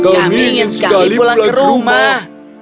kami ingin sekali pulang ke rumah